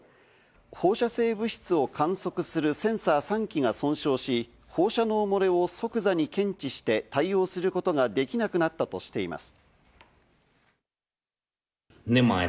放射性物質を観測するセンサー３基が損傷し、放射能漏れを即座に検知して対応することができなくなったとしています。